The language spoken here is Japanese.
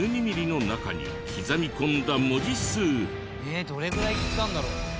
えっどれぐらいいったんだろう？